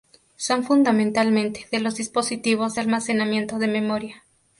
Son fundamentalmente de los dispositivos de almacenamiento de memoria.